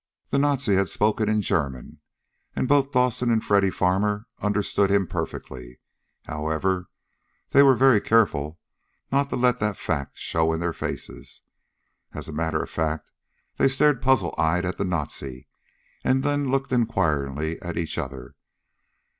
The Nazi had spoken in German, and both Dawson and Freddy Farmer understood him perfectly. However, both were very careful not to let that fact show in their faces. As a matter of fact, they stared puzzle eyed at the Nazi and then looked enquiringly at each other.